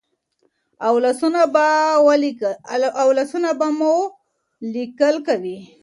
او لاسونه به مو لیکل کوي.